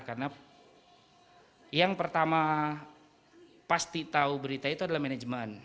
karena yang pertama pasti tahu berita itu adalah manajemen